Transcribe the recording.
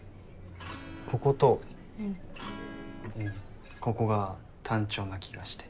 こことここが単調な気がして。